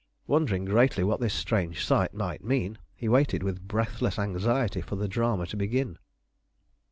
Wondering greatly what this strange sight might mean, he waited with breathless anxiety for the drama to begin.